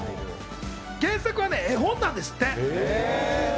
原作は絵本なんですって。